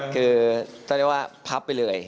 คือต้องเรียกว่าพับไปเลย